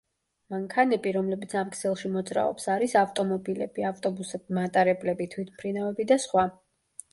მანქანები, რომლებიც ამ ქსელში მოძრაობს არის ავტომობილები, ავტობუსები, მატარებლები, თვითმფრინავები და სხვა.